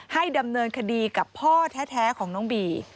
ดำเนินคดีกับพ่อแท้ของน้องบี